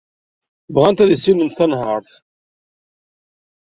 Bɣant ad issinent tanhaṛt.